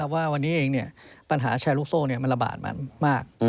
ว่าวันนี้เองปัญหาแชร์ลูกโซ่มันระบาดมามาก